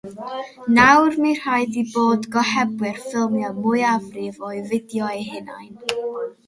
Nawr mae'n rhaid i bob gohebydd ffilmio'r mwyafrif o'u fideo eu hunain.